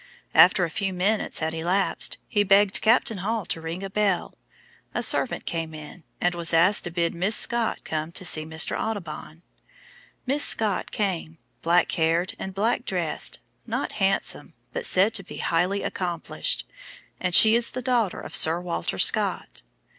After a few minutes had elapsed, he begged Captain Hall to ring a bell; a servant came and was asked to bid Miss Scott come to see Mr. Audubon. Miss Scott came, black haired and black dressed, not handsome but said to be highly accomplished, and she is the daughter of Sir Walter Scott.